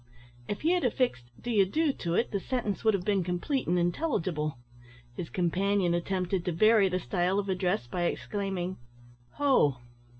If he had affixed "d'ye do" to it, the sentence would have been complete and intelligible. His companion attempted to vary the style of address by exclaiming, "Ho!"